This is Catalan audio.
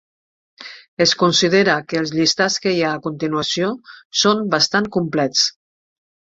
Es considera que els llistats que hi ha a continuació són bastant complets.